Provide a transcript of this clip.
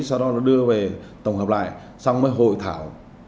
sau đó nó đưa về tổng hợp lại xong mới hội thảo